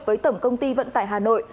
với tổng công ty vận tải hà nội